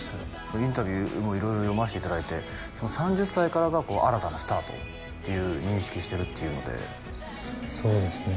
インタビューも色々読ませていただいて３０歳からが新たなスタートっていう認識してるっていうのでそうですね